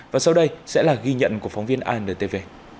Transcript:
và sau đây sẽ là ghi nhận của phóng viên intv